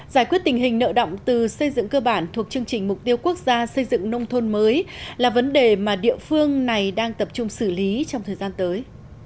giải quyết tình hình nợ động từ xây dựng cơ bản thuộc chương trình mục tiêu quốc gia xây dựng nông thôn mới là vấn đề mà địa phương này đang tập trung xử lý trong thời gian tới